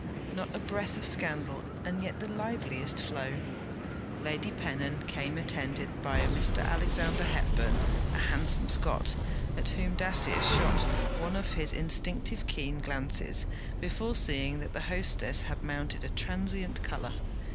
Not a breath of scandal, and yet the liveliest flow. Lady Pennon came attended by a Mr. Alexander Hepburn, a handsome Scot, at whom Dacier shot one of his instinctive keen glances, before seeing that the hostess had mounted a transient colour.